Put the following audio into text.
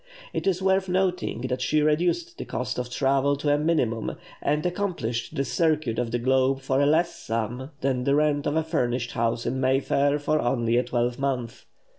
It is worth noting that she reduced the cost of travel to a minimum, and accomplished the circuit of the globe for a less sum than the rent of a furnished house in Mayfair for only a twelvemonth.